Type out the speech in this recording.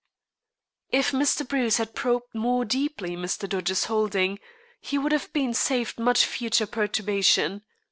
If Mr. Bruce had probed more deeply Mr. Dodge's holding, he would have been saved much future perturbation.